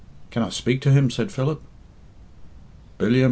"Can I speak to him?" said Philip. "Billiam?